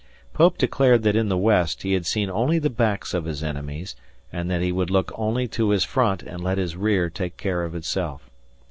Pope declared that in the West he had seen only the backs of his enemies, and that he would look only to his front and let his rear take care of itself.